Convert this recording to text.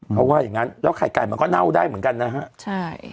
เขาว่าอย่างงั้นแล้วไข่ไก่มันก็เน่าได้เหมือนกันนะฮะใช่